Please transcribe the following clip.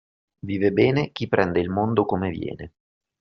Vive bene chi prende il mondo come viene.